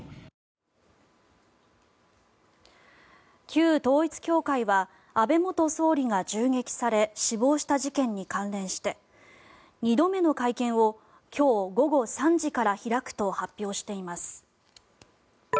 旧統一教会は安倍元総理が銃撃され死亡した事件に関連して２度目の会見を今日午後３時から開くと発表しています。